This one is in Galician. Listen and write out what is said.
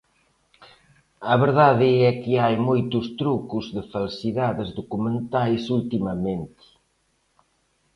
A verdade é que hai moitos trucos de falsidades documentais ultimamente.